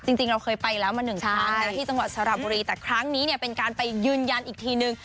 จริงเราเคยไปแล้วมาหนึ่งครั้งนะที่จังหวัดสระบุรีแต่ครั้งนี้เนี่ยเป็นการไปยืนยันอีกทีนึง